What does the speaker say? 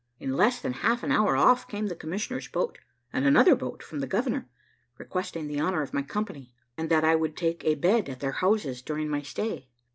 In less than half an hour, off came the commissioner's boat, and another boat from the governor, requesting the honour of my company, and that I would take a bed at their houses during my stay.